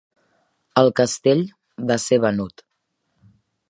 El castell va ser venut.